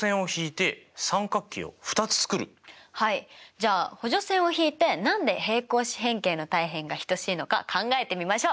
じゃあ補助線を引いて何で平行四辺形の対辺が等しいのか考えてみましょう！